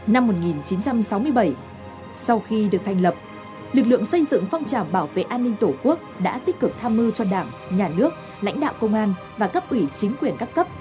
năm một nghìn chín trăm sáu mươi bảy sau khi được thành lập lực lượng xây dựng phong trào bảo vệ an ninh tổ quốc đã tích cực tham mưu cho đảng nhà nước lãnh đạo công an và cấp ủy chính quyền các cấp